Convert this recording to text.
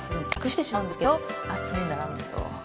隠してしまうんですけど厚塗りにならないんですよ。